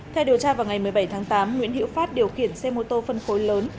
theo điều tra vào ngày một mươi bảy tháng tám nguyễn hữu phát điều khiển xe mô tô phân khối lớn